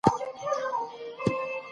هیوادونه د تروریزم په وړاندې په ګډه جنګیږي.